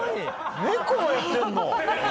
猫もやってるの？